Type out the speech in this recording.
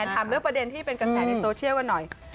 ถามเรื่องประเด็นที่เป็นกระแสในโซเชียลกันหน่อย